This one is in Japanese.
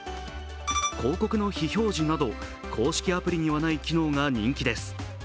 広告の非表示など公式アプリにはない機能が人気です。